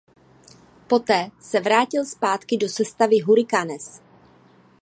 Poté se vrátil zpátky do sestavy Hurricanes.